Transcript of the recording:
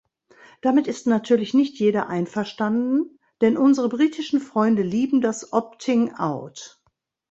Damit ist natürlich nicht jeder einverstanden, denn unsere britischen Freunde lieben das opting out.